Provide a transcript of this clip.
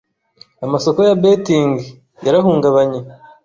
Amasoko ya 'betting' yarahungabanye